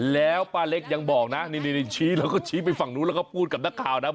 แล้วป้าเล็กยังบอกนะนี่ชี้แล้วก็ชี้ไปฝั่งนู้นแล้วก็พูดกับนักข่าวนะ